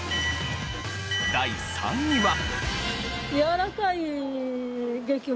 第３位は。